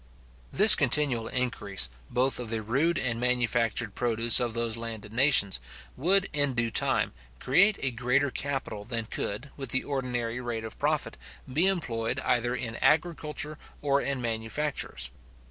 This continual increase, both of the rude and manufactured produce of those landed nations, would, in due time, create a greater capital than could, with the ordinary rate of profit, be employed either in agriculture or in manufactures.